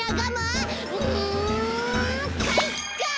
うんかいか！